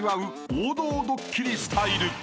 王道ドッキリスタイル］